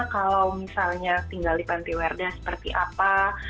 kalau misalnya tinggal di panti werda seperti apa